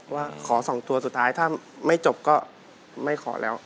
ว่าขอ๒ตัวสุดท้ายถ้าไม่จบก็ไม่ขอแล้ว